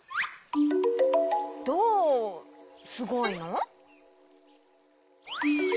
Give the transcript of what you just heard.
どうすごいの？